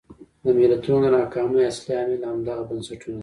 د ملتونو د ناکامۍ اصلي عامل همدغه بنسټونه دي.